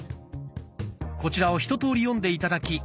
こちらを一とおり読んで頂き